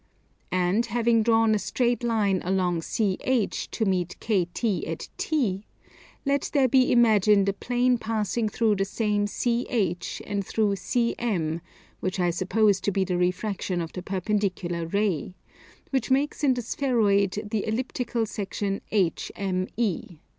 And having drawn a straight line along CH to meet KT at T, let there be imagined a plane passing through the same CH and through CM (which I suppose to be the refraction of the perpendicular ray), which makes in the spheroid the elliptical section HME.